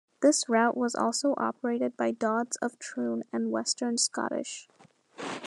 This route was also operated by Dodds of Troon and Western Scottish.